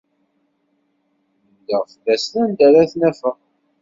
Nudaɣ fell-asen anda ara ten-afeɣ.